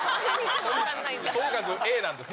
とにかくＡなんですね。